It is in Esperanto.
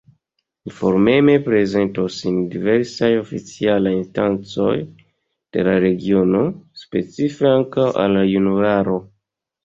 Informeme prezentos sin diversaj oficialaj instancoj de la regiono, specife ankaŭ al la junularo.